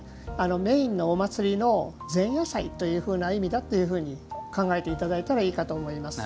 メインのお祭りの前夜祭という意味だと考えていただいたらいいかと思います。